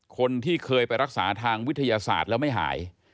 คนที่เคยไปรักษาทางวิทยาศาสตร์แล้วไม่หาย